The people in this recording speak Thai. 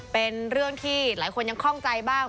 เป็นเรื่องที่หลายคนยังคล่องใจบ้าง